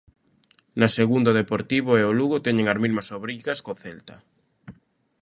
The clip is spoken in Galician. Na segunda o Deportivo e o Lugo teñen as mesmas obrigas co Celta.